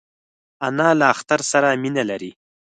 انا له اختر سره مینه لري